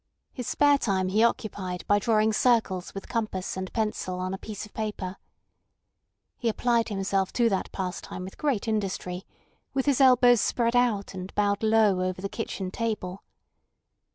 His spare time he occupied by drawing circles with compass and pencil on a piece of paper. He applied himself to that pastime with great industry, with his elbows spread out and bowed low over the kitchen table.